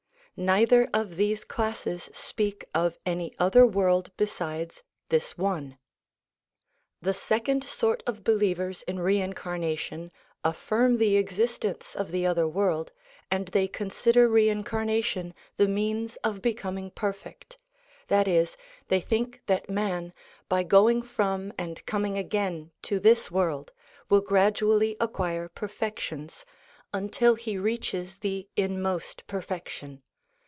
Neither of these classes speak of any other world besides this one. The second sort of believers in reincarnation affirm the existence of the other world, and they consider reincarnation the means of becoming perfect; that is, they think that man, by going from and coming again to this world, will gradually acquire perfections, until he reaches the inmost perfection.